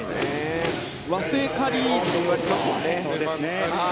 和製カリーもいわれてますね。